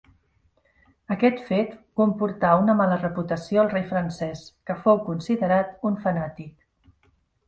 Aquest fet comportà una mala reputació al rei francès, que fou considerat un fanàtic.